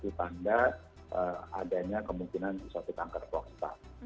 itu tanda adanya kemungkinan suatu kanker prostat